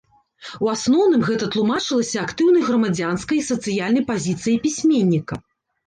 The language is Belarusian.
У асноўным гэта тлумачылася актыўнай грамадзянскай і сацыяльнай пазіцыяй пісьменніка.